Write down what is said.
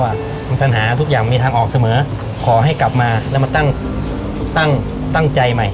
ปัญหาทุกอย่างมีทางออกเสมอขอให้กลับมาแล้วมาตั้งตั้งใจใหม่